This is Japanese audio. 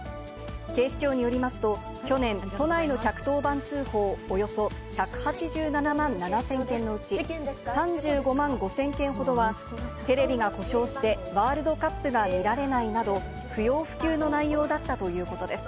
警視庁によりますと、去年、都内の１１０番通報およそ１８７万７０００件のうち、３５万５０００件ほどは、テレビが故障して、ワールドカップが見られないなど、不要不急の内容だったということです。